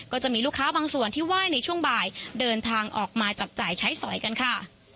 ก็จะมีลูกค้าบางส่วนที่ไหว้ในช่วงบ่ายเดินทางออกมาจับจ่ายใช้สอยกันค่ะ